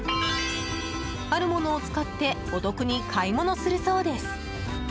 あるものを使ってお得に買い物するそうです。